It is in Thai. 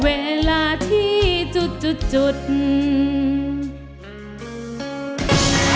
เพลงแรกของเจ้าเอ๋ง